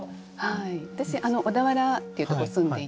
私小田原っていうとこ住んでいて